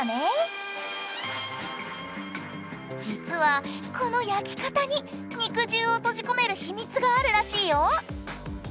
実はこの焼き方に肉汁を閉じ込める秘密があるらしいよ。